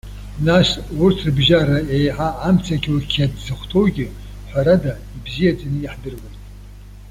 Нас, урҭ рыбжьара еиҳа амцақьоуқьад зыхәҭоугьы, ҳәарада, ибзиаӡаны иаҳдыруеит.